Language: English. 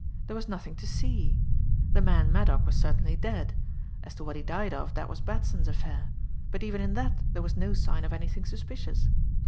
There was nothing to see. The man Maddock was certainly dead. As to what he died of, that was Batson's affair; but even in that there was no sign of anything suspicious.